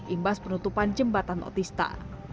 imbas penutupan jembatan otista